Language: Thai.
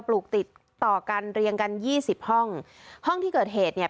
ปลูกติดต่อกันเรียงกันยี่สิบห้องห้องที่เกิดเหตุเนี่ย